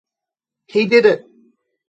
He did it.